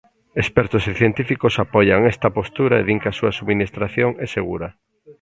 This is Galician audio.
Expertos e científicos apoian esta postura e din que a súa subministración é segura.